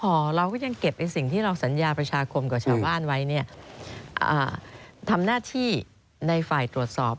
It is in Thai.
พอเราก็ยังเก็บไอ้สิ่งที่เราสัญญาประชาคมกับชาวบ้านไว้เนี่ยทำหน้าที่ในฝ่ายตรวจสอบ